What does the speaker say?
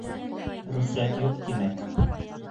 — Рөхсәт юҡ, тимәк.